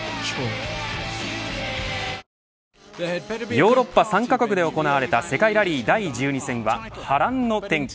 ヨーロッパ３カ国で行われた世界ラリー第１２戦は波乱の展開。